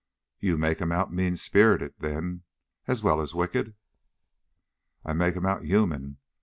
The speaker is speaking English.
"You make him out mean spirited, then, as well as wicked?" "I make him out human.